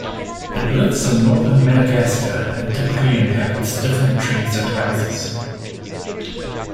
It lives in northern Madagascar and typically inhabits different trees and houses.